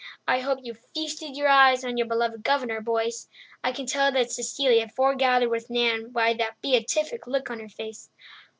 "I hope you feasted your eyes on your beloved Governor, boys. I can tell that Cecilia forgathered with Nan by the beatific look on her face."